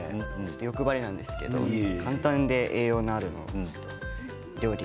欲張りなんですけど簡単で栄養のある料理。